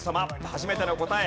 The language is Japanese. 初めての答え。